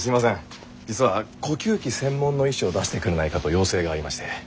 実は呼吸器専門の医師を出してくれないかと要請がありまして。